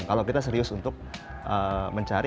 kalau kita serius untuk mencari